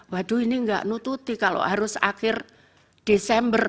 waduh ini nggak nututi kalau harus akhir desember